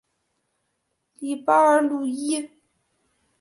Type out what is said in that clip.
里巴尔鲁伊。